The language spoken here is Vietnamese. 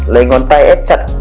lấy ngón tay ép chặt